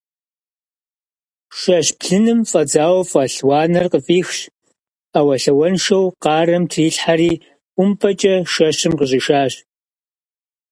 Шэщ блыным фӀэдзауэ фӀэлъ уанэр къыфӀихщ, Ӏэуэлъауэншэу къарэм трилъхьэри ӀумпӀэкӀэ шэщым къыщӀишащ.